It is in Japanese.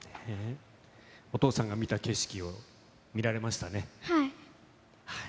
お父さんが見た景色を見られはい。